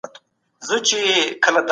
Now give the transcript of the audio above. د ملکیت حق په شریعت کي خوندي ساتل سوی دی.